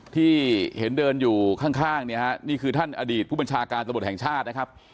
ที่เห็นเดินอยู่ข้างเนี่ยฮะนี่คือท่านอดีตผู้บัญชาการตำรวจแห่งชาตินะครับ